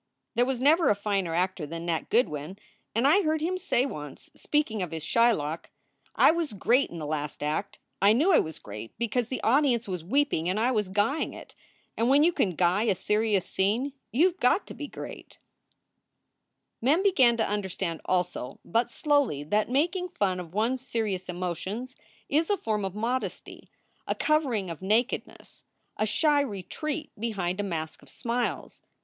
There was never a finer actor than Nat Goodwin, and I heard him say once, speaking of his Shylock: I was great in the last act. I knew I was great because the audience was weeping and I was guying it, and when you can guy a serious scene you ve got to be great/ " SOULS FOR SALE 297 Mem began to understand also, but slowly, that making fun of one s serious emotions is a form of modesty, a cover ing of nakedness, a shy retreat behind a mask of smiles.